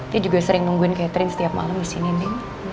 dia juga sering nungguin catherine setiap malem disini ndi